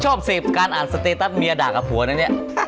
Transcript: ชอบเสพการอ่านสเตตัสเมียด่ากับผัวนะเนี่ย